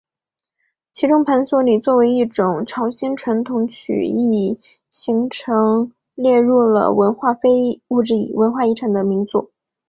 其中盘索里作为一种朝鲜传统曲艺形式列入了人类非物质文化遗产代表作名录。